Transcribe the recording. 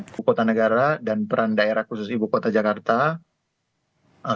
ibu kota negara dan peran daerah khusus ibu kota jakarta